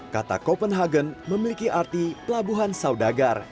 kata copenhagen memiliki arti pelabuhan saudagar